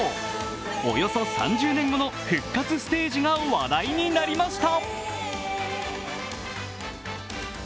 およそ３０年後の復活ステージが話題になりました。